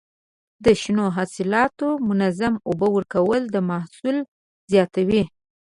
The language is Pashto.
د شنو حاصلاتو منظم اوبه ورکول د محصول زیاتوي.